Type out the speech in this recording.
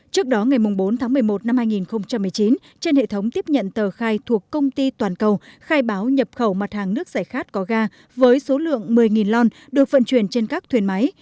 trước đó ngày bốn tháng một mươi một năm hai nghìn một mươi chín trên hệ thống tiếp nhận tờ khai thuộc công ty toàn cầu khai báo nhập khẩu mặt hàng nước giải khát có ga với số lượng một mươi lon được vận chuyển trên các thuyền máy